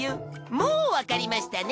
もうわかりましたね？